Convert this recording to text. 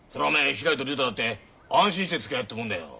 ひらりと竜太だって安心してつきあえるってもんだよ。